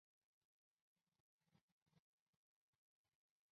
拉艾马莱尔布人口变化图示